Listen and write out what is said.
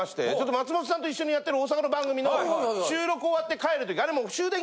松本さんと一緒にやってる大阪の番組の収録終わって帰るときあれもう。